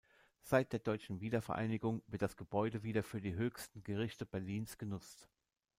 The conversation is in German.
Seit der deutschen Wiedervereinigung wird das Gebäude wieder für die höchsten Gerichte Berlins genutzt.